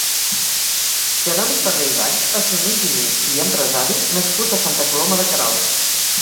Jeroni Ferrer i Valls va ser un enginyer i empresari nascut a Santa Coloma de Queralt.